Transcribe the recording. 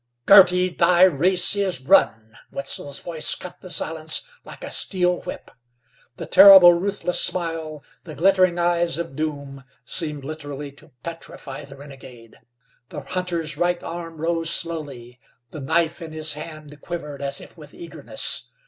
"Girty, thy race is run!" Wetzel's voice cut the silence like a steel whip. The terrible, ruthless smile, the glittering eyes of doom seemed literally to petrify the renegade. The hunter's right arm rose slowly. The knife in his hand quivered as if with eagerness.